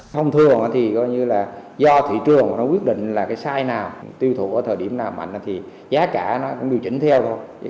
thông thường thì do thị trường quyết định là cái size nào tiêu thụ ở thời điểm nào mạnh thì giá cả nó cũng được chỉnh theo thôi